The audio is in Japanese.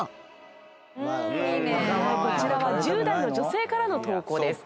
こちらは１０代の女性からの投稿です。